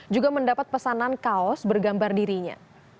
juga mendapat pesanan kaos bergambar dirinya